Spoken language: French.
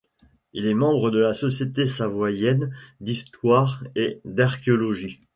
Il est membre de la Société savoisienne d'histoire et d'archéologie.